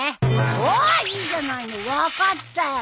おーいいじゃないの分かったよ。